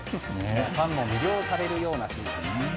ファンも魅了されるようなシーンでした。